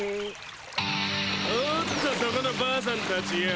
おっとそこのばあさんたちよ。